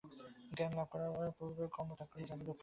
জ্ঞানলাভ করবার পূর্বে কর্মত্যাগ করলে তাতে দুঃখই এসে থাকে।